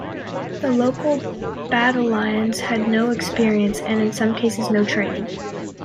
The local battalions had no experience and in some cases no training.